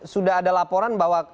sudah ada laporan bahwa